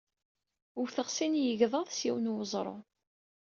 Wteɣ sin yegḍaḍ s yiwen weẓru.